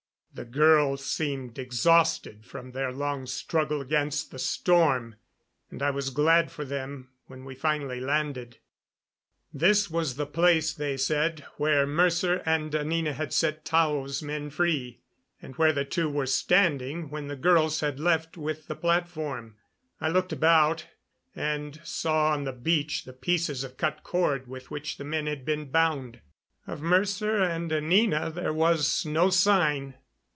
The girls seemed exhausted from their long struggle against the storm, and I was glad for them when we finally landed. This was the place, they said, where Mercer and Anina had set Tao's men free, and where the two were standing when the girls had left with the platform. I looked about, and saw on the beach the pieces of cut cord with which the men had been bound. Of Mercer and Anina there was no sign.